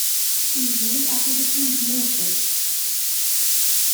She was named after the Queen's new estate.